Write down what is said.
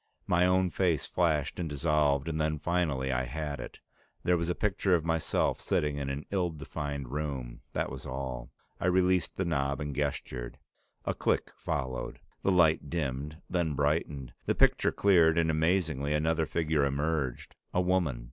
My own face flashed and dissolved and then, finally, I had it. There was a picture of myself sitting in an ill defined room; that was all. I released the knob and gestured. A click followed. The light dimmed, then brightened. The picture cleared, and amazingly, another figure emerged, a woman.